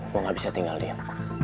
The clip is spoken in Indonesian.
gua gak bisa tinggal diam